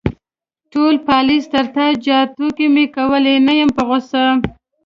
_ټول پالېز تر تا جار، ټوکې مې کولې، نه يم په غوسه.